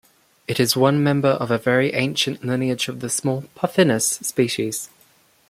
It is one member of a very ancient lineage of the small "Puffinus" species.